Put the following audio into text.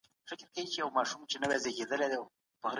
هیوادونه د مهارتونو په شریکولو کي برخه اخلي.